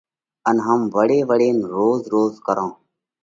ان ھم وۯي وۯينَ روز روز ڪرونھ۔